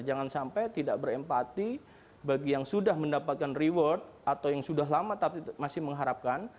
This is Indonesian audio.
jangan sampai tidak berempati bagi yang sudah mendapatkan reward atau yang sudah lama tapi masih mengharapkan